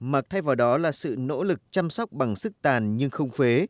mà thay vào đó là sự nỗ lực chăm sóc bằng sức tàn nhưng không phế